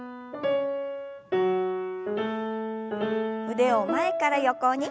腕を前から横に。